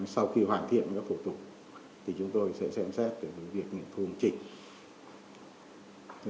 sau khi hoàn thiện các thủ tục thì chúng tôi sẽ xem xét về việc nghiệp thu hồn trình